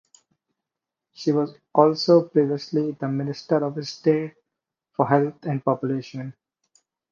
She was also previously the Minister of State for Health and Population.